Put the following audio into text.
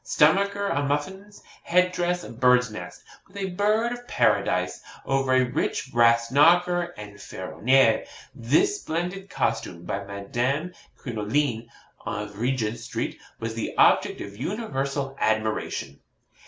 Stomacher a muffin. Head dress a bird's nest, with a bird of paradise, over a rich brass knocker en ferroniere. This splendid costume, by Madame Crinoline, of Regent Street, was the object of universal admiration.'